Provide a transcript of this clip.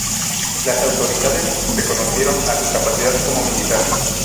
Las autoridades reconocieron su capacidad como militar.